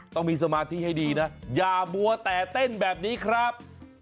ต้องมีสมาธิให้ดีนะอย่ามัวแต่เต้นแบบนี้ครับ